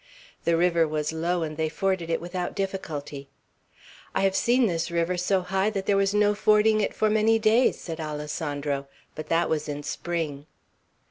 The river was low, and they forded it without difficulty. "I have seen this river so high that there was no fording it for many days," said Alessandro; "but that was in spring."